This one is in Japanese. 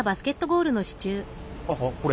あっこれ？